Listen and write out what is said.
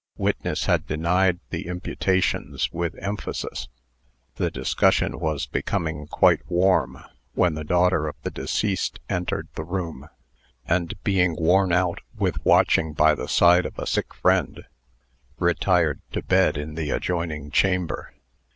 Witness had denied the imputations with emphasis. The discussion was becoming quite warm, when the daughter of the deceased entered the room, and, being worn out with watching by the side of a sick friend, retired to bed in the adjoining chamber.